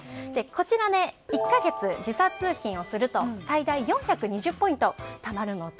こちらで１か月時差通勤をすると最大４２０ポイントたまります。